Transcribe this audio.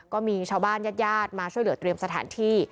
ก็มีชาวบ้านญาติญาติมาช่วยเหลือเตรียมสถานที่